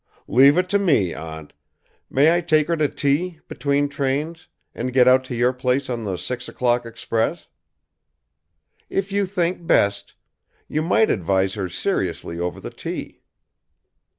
"Leave it to me, Aunt. May I take her to tea, between trains, and get out to your place on the six o'clock express?" "If you think best. You might advise her seriously over the tea."